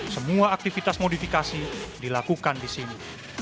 semua aktivitas modifikasi dilakukan di sini